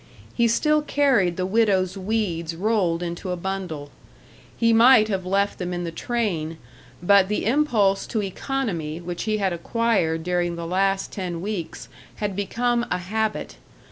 He still carried the widow's weeds rolled into a bundle. He might have left them in the train, but the impulse to economy which he had acquired during the last ten weeks had become a habit.